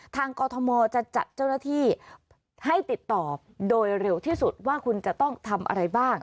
กรทมจะจัดเจ้าหน้าที่ให้ติดต่อโดยเร็วที่สุดว่าคุณจะต้องทำอะไรบ้าง